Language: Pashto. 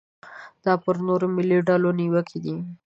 دا پر نورو ملي ډلو نیوکې دي.